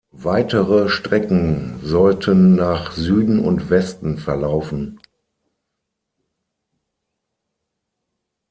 Weitere Strecken sollten nach Süden und Westen verlaufen.